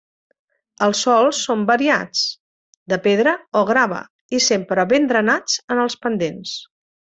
Els sòls són variats, de pedra o grava, i sempre ben drenats en els pendents.